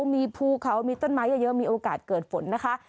มีภูเขามีต้นไม้เยอะมีโอกาสเกิดฝนนะคะ